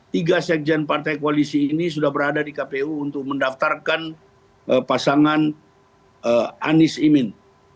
tiga sekjen partai koalisi ini sudah berada di kpu untuk mendaftarkan pasangan anies imin